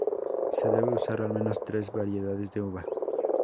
Se deben usar, al menos, tres variedades de uva.